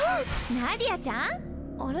ナディアちゃん？あれ？